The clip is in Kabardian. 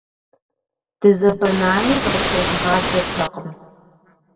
Дызэбэнами, зыкъытрезгъадзэртэкъым.